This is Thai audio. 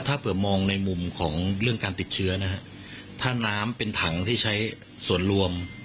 ถ้าเผื่อมองในมุมของเรื่องการติดเชื้อนะฮะถ้าน้ำเป็นถังที่ใช้ส่วนรวม